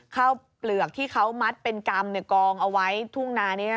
ข้าวเปลือกที่เขามัดเป็นกรรมกองเอาไว้ทุ่งนานี้